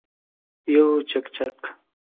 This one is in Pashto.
یو چکچک